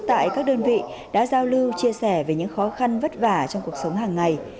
tại các đơn vị đã giao lưu chia sẻ về những khó khăn vất vả trong cuộc sống hàng ngày